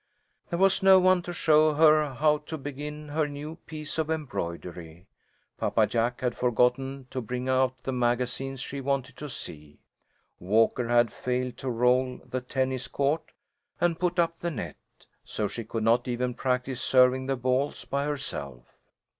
There was no one to show her how to begin her new piece of embroidery; Papa Jack had forgotten to bring out the magazines she wanted to see; Walker had failed to roll the tennis court and put up the net, so she could not even practise serving the balls by herself.